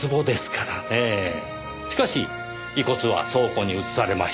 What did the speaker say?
しかし遺骨は倉庫に移されました。